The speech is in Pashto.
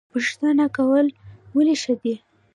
پوښتنه کول ولې ښه دي؟